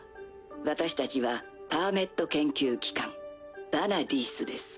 私たちはパーメット研究機関ヴァナディースです。